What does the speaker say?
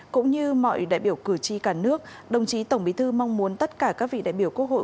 cũng như mọi đại biểu cử tri cả nước đồng chí tổng bí thư mong muốn tất cả các vị đại biểu quốc hội